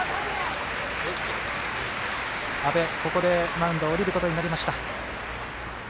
阿部、ここでマウンドを降りることになりました。